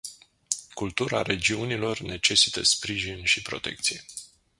Cultura regiunilor necesită sprijin și protecție.